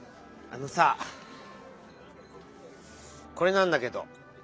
あのさこれなんだけど。